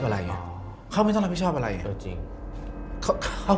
เราเรียนอะไรมา